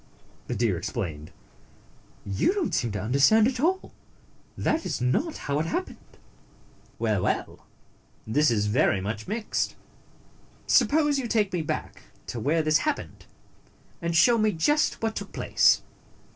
the deer explained. "You don't seem to understand at all; that is not how it happened." "Well, well! This is very much mixed. Suppose you take me back to where this hap pened, and show me just what took place."